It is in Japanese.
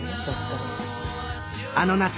あの夏